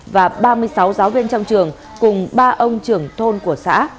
và ba mươi sáu giáo viên trong trường cùng ba ông trưởng thôn của xã